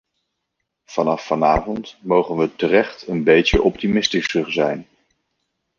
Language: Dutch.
Vanaf vanavond mogen we terecht een beetje optimistischer zijn.